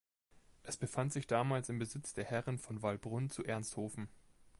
Es befand sich damals im Besitz der Herren von Wallbrunn zu Ernsthofen.